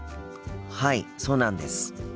はいそうなんです。